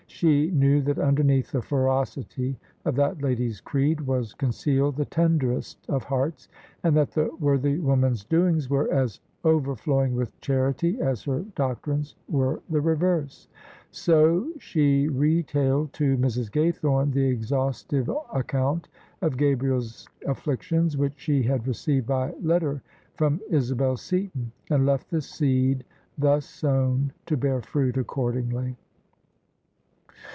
She knew that underneath the ferocity of that lady's creed was con cealed the tenderest of hearts, and that the worthy woman's doings were as overflowing with charity as her doctrines were the reverse: so she retailed to Mrs. Gaythorne the exhaustive account of Gabriel's afflictions which she had received by letter from Isabel Seaton ; and left the seed thus sown to bear fruit accordingly.